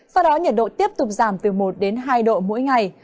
sau đó nhiệt độ tiếp tục giảm từ một đến hai độ mỗi ngày